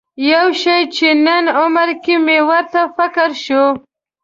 یو شي چې نن عمره کې مې ورته فکر شو.